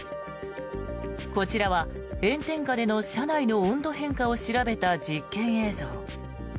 こちらは炎天下での車内の温度変化を調べた実験映像。